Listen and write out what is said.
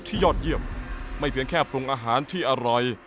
ยอดเยี่ยมไม่เพียงแค่ปรุงอาหารที่อร่อย